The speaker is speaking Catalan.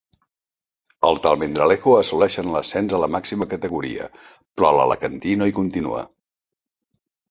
Els d'Almendralejo assoleixen l'ascens a la màxima categoria, però l'alacantí no hi continua.